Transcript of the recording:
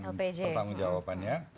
tahu tanggung jawabannya